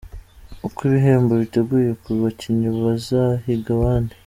Uko ibihembo biteguye ku bakinnyi bazahiga abandi.